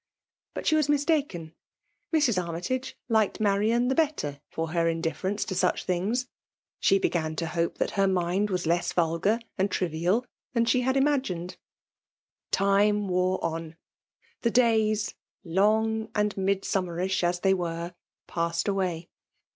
But she was mistaken. Mrs. Armytage liked Marian the better for her indifference to such Ihings. — She began to hope that her mind was less vulgar and trivial than she had imag^ined. Time wore on. The days, long and Mid* summerish as they were> passed away.